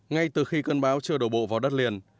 ngay từ khi cơn bão chưa đổ bộ vào đất liền